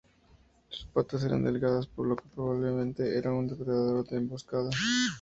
Sus patas eran delgadas por lo que probablemente era un depredador de emboscada.